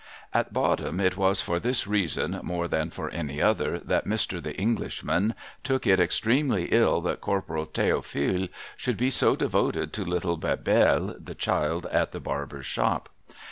At bottom, it was for this reason, more than for any other, that Mr. The Englishman took it extremely ill that Corporal Theophile should be so devoted to little Bebelle, the child at the Barber's shop.